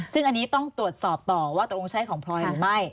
ซึ่งอันนี้ต้องตรวจสอบต่อว่าตกลงใช่ของพลอยหรือไม่